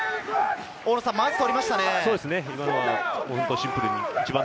まず捕りましたね。